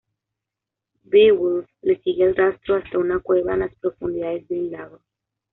Beowulf le sigue el rastro hasta una cueva en las profundidades de un lago.